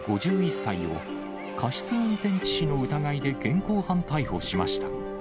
５１歳を、過失運転致死の疑いで現行犯逮捕しました。